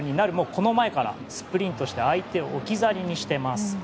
この前から、スプリントして相手を置き去りにしてます。